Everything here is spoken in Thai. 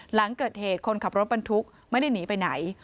หลังเกิดเหตุคนขับรถบรรทุกไม่ได้หนีไปไหน